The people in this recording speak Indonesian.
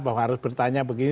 bahwa harus bertanya begini